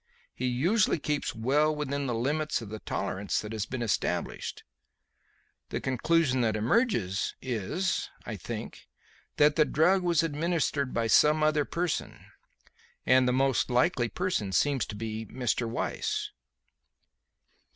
He usually keeps well within the limits of the tolerance that has been established. The conclusion that emerges is, I think, that the drug was administered by some other person; and the most likely person seems to be Mr. Weiss."